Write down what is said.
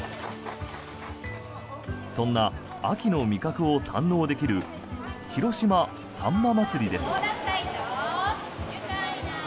そんな秋の味覚を堪能できる広島さんま祭りです。